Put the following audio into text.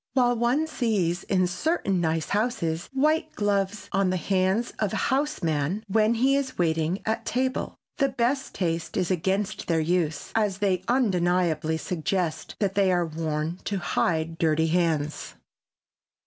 While one sees in certain nice houses white gloves on the hands of a house man when he is waiting at table, the best taste is against their use, as they undeniably suggest that they are worn to hide dirty hands.